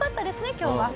今日は。